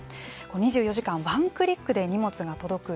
２４時間ワンクリックで荷物が届く時代です。